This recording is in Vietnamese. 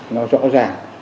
nó rõ ràng